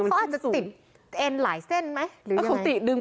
อันนี้แรงมันขึ้นสูง